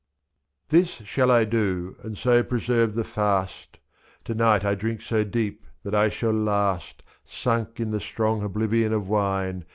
This shall I do, and so preserve the fast: To night I drink so deep that I shall last, 2s^ Sunk in the strong oblivion of wine.